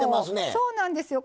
そうなんですよ。